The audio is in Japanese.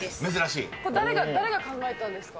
これ、誰が考えたんですか？